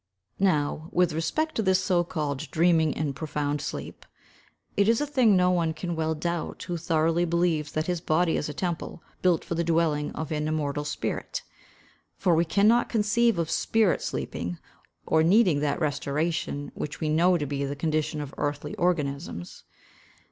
Now, with respect to this so called dreaming in profound sleep, it is a thing no one can well doubt who thoroughly believes that his body is a temple built for the dwelling of an immortal spirit; for we can not conceive of spirit sleeping, or needing that restoration which we know to be the condition of earthly organisms.